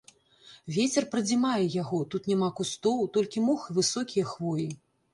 Вецер прадзімае яго, тут няма кустоў, толькі мох і высокія хвоі.